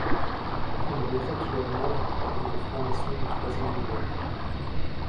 Ils recrutent leurs membres parmi les francs-maçons du troisième degré.